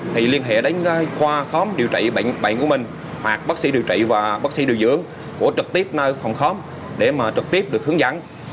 thì liên hệ đến khoa khám điều trị bệnh của mình hoặc bác sĩ điều trị và bác sĩ điều dưỡng của trực tiếp nơi phòng khám để mà trực tiếp được hướng dẫn